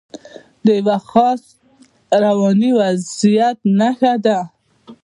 د یوه خاص رواني وضعیت نښه ده.